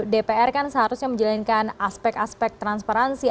dpr kan seharusnya menjalankan aspek aspek transparansi